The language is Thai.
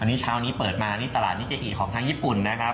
อันนี้เช้านี้เปิดมานี่ตลาดนิเจอิของทางญี่ปุ่นนะครับ